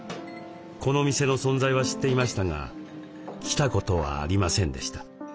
この店の存在は知っていましたが来たことはありませんでした。